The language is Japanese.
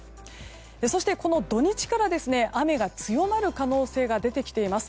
そして、この土日から雨が強まる可能性が出てきています。